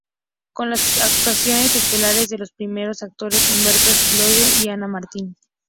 Con las actuaciones estelares de los primeros actores Humberto Elizondo y Ana Martín.